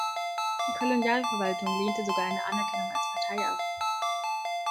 Die Kolonialverwaltung lehnte sogar eine Anerkennung als Partei ab.